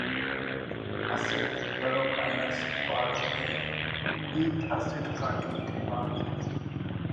اسٹ“ بروک آ نسل پارو ءِ ”ہیت اسٹ کاٹمک تے بھاز